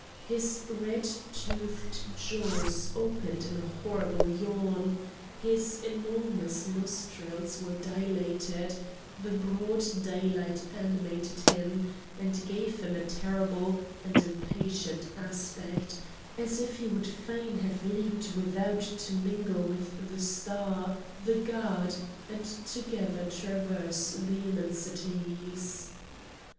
His red toothed jaws opened in a horrible yawn; his enormous nostrils were dilated, the broad daylight animated him, and gave him a terrible and impatient aspect, as if he would fain have leaped without to mingle with the star, the god, and together traverse the immensities.